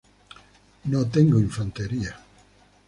No tengo infantería.